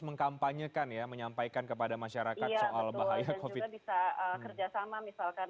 mengkampanyekan ya menyampaikan kepada masyarakat soal bahaya covid bisa kerjasama misalkan